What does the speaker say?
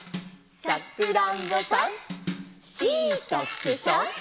「さくらんぼさん」「しいたけさん」